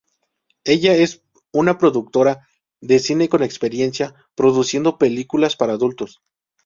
Ella es una productora de cine con experiencia produciendo películas para adultos.